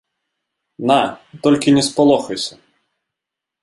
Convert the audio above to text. На, толькі не спалохайся.